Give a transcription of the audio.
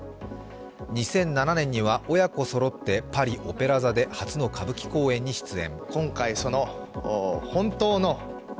２００７年には親子そろってパリ・オペラ座で初の歌舞伎公演に出演。